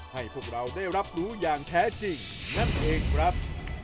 ให้พวกเราได้รับรู้อย่างแท้จริงนั่นเองครับ